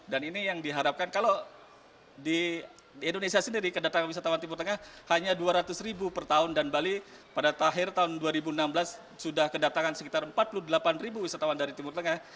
ini yang diharapkan kalau di indonesia sendiri kedatangan wisatawan timur tengah hanya dua ratus ribu per tahun dan bali pada akhir tahun dua ribu enam belas sudah kedatangan sekitar empat puluh delapan ribu wisatawan dari timur tengah